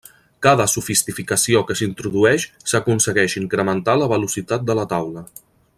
Cada sofisticació que s'introdueix s'aconsegueix incrementar la velocitat de la taula.